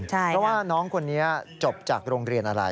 เพราะว่าน้องคนนี้จบจากโรงเรียนอะไร